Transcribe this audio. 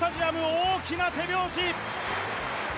大きな手拍子。